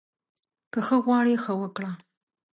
که ښه غواړې، ښه وکړه